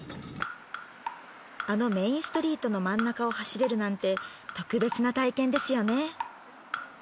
あのメインストリートの真ん中を走れるなんて特別な体験ですよね